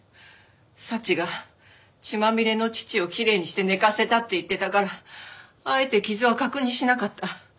祥が血まみれの父をきれいにして寝かせたって言ってたからあえて傷は確認しなかった。